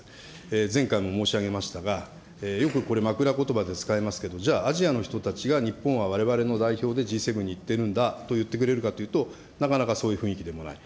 前回も申し上げましたが、よくこれ、まくらことばで使いますけれども、じゃあアジアの人たちが日本はわれわれの代表で、Ｇ７に行ってるんだと言ってくれるかというと、なかなかそういう雰囲気でもない。